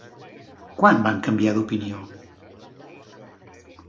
Quan van canviar d'opinió?